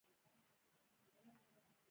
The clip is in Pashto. لومړۍ درجه او دوهمه درجه او دریمه درجه.